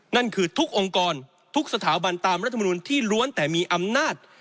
นั่นคือทุกองค์กรทุกสถาบันตามรัฐมนุนที่ล้วนแต่มีอำนาจ